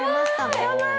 やばい！